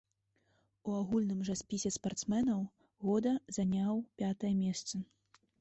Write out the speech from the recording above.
У агульным жа спісе спартсменаў года заняў пятае месца.